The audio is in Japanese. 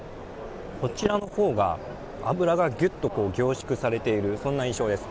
こちらの方が脂がぎゅっと凝縮されているそんな印象です。